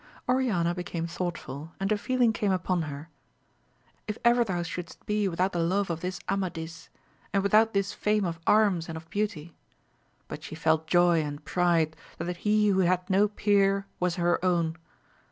Oriana became thoughtful, and a feeling came upon her, — if ever thou shouldst be without the love of this Amadis ! and without this fame of arms and of beauty ! but she felt joy and pride, that he who had no peer was her own.